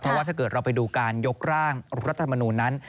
เพราะว่าถ้าเกิดเราไปดูการยกร่างรัฐธรรมนูลนั้น